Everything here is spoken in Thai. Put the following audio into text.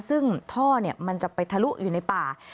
ซึ่งท่อมันจะไปทะลุอยู่ในป่า